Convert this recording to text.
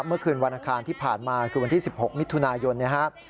เมื่อคืนวันอังคารที่ผ่านมาคือวันที่๑๖มิถุนายนนะครับ